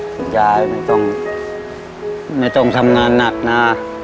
คุณยายไม่ต้องทำงานหนักนะ